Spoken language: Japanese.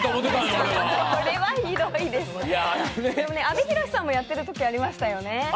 阿部寛さんもやってるとき、ありましたよね。